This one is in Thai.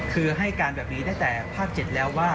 คือให้การแบบนี้ตั้งแต่ภาค๗แล้วว่า